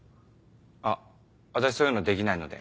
あっ私そういうのできないので。